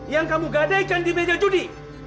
yang kamu gadaikan di meja judi